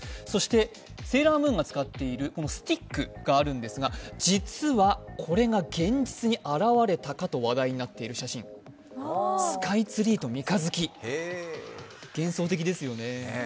そしてセーラームーンが使っているスティックがあるんですが、実はこれが現実に現れたかと話題になっている写真スカイツリーと三日月、幻想的ですよね。